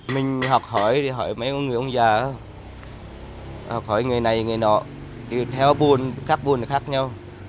mình học hỏi mấy người ông già học hỏi người này người nọ theo buôn khác buôn khác nhau